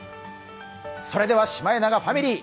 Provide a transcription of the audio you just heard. それではシマエナガファミリー